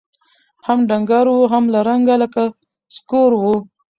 هم ډنګر وو هم له رنګه لکه سکور وو